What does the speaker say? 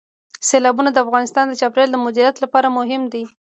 سیلابونه د افغانستان د چاپیریال د مدیریت لپاره مهم دي.